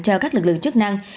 cho các lực lượng chức năng